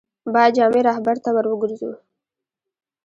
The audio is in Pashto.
باید جامع رهبرد ته ور وګرځو.